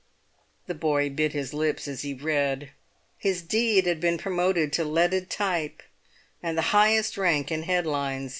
The boy bit his lips as he read. His deed had been promoted to leaded type and the highest rank in headlines.